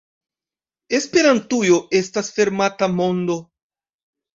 Esperantujo estas fermata mondo.